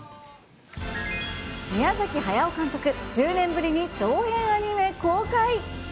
宮崎駿監督、１０年ぶりに長編アニメ公開。